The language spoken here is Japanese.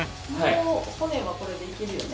もう骨はこれでいけるよね。